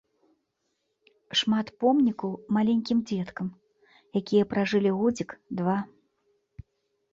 Шмат помнікаў маленькім дзеткам, якія пражылі годзік, два.